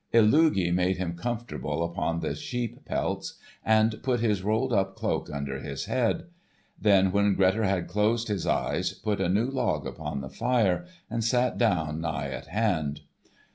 Illugi made him comfortable upon the sheep pelts, and put his rolled up cloak under his head; then, when Grettir had closed his eyes, put a new log upon the fire and sat down nigh at hand.